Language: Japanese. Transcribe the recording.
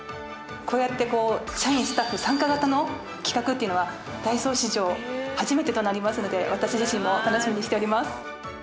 こうやって社員スタッフ参加型の企画っていうのはダイソー史上初めてとなりますので私自身も楽しみにしております。